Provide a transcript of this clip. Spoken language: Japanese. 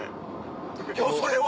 今日それは⁉